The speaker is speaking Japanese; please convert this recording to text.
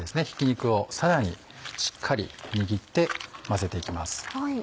ひき肉をさらにしっかり握って混ぜて行きます。